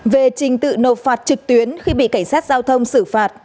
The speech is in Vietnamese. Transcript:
về trình tự nộp phạt trực tuyến khi bị cảnh sát giao thông xử phạt